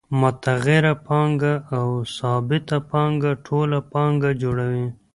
متغیره پانګه او ثابته پانګه ټوله پانګه جوړوي